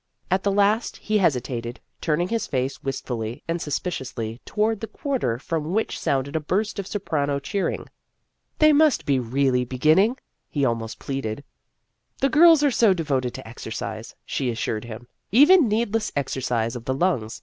At the last he hesitated, turning his face wistfully and suspi ciously toward the quarter from which sounded a burst of soprano cheering. " They must be really beginning," he almost pleaded. " The girls are so devoted to exercise," she assured him, " even needless exercise of the lungs.